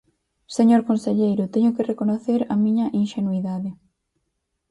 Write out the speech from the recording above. Señor conselleiro, teño que recoñecer a miña inxenuidade.